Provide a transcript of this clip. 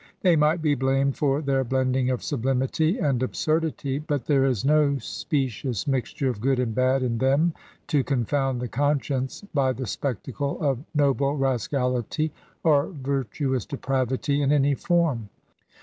They might be blamed for their blending of sublimity and absurdity, but there is no specious mixture of good and bad in them to confound the conscience by the spectacle of no ble rascality or virtuous depravity in any form.